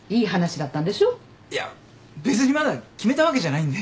いや別にまだ決めたわけじゃないんで。